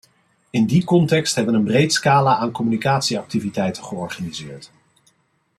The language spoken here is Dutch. In die context hebben we een breed scala aan communicatieactiviteiten georganiseerd.